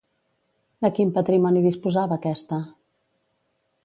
De quin patrimoni disposava aquesta?